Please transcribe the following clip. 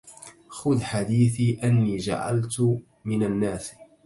خذ حديثي أني جعلت من الناس